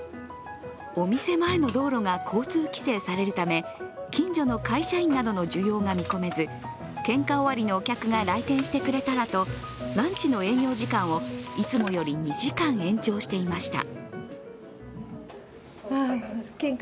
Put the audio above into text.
お店前の道路が交通規制されるため、近所の会社員などの需要が見込めず献花終わりのお客が来店してくれたらとランチの営業時間をいつもより２時間延長していました。